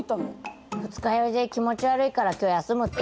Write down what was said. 二日酔いで気持ち悪いから今日休むって。